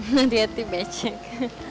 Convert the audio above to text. nanti hati becek